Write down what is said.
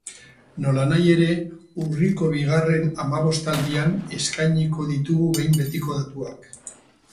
Nolanahi ere, urriko bigarren hamabostaldian eskainiko ditugu behin betiko datuak.